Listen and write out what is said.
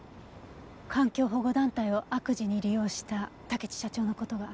環境保護団体を悪事に利用した竹地社長の事が。